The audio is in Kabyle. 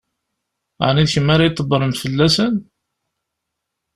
Ɛni d kemm ara ydebbṛen fell-asen?